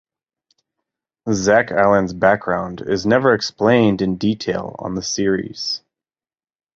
Zack Allan's background is never explained in detail on the series.